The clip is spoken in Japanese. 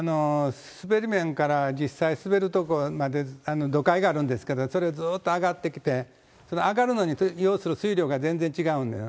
滑り面から実際滑る所まで、土階があるんですけれども、それをずーっと上がってきて、上がるのに要する水量が全然違うんです。